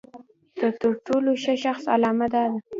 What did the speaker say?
د تر ټولو ښه شخص علامه دا ده.